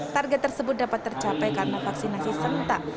target tersebut dapat tercapai karena vaksinasi serentak